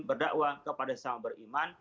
berdakwah kepada sesama beriman